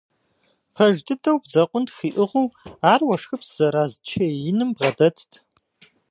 Пэж дыдэу, бдзэкъунтх иӀыгъыу ар уэшхыпс зэраз чей иным бгъэдэтт.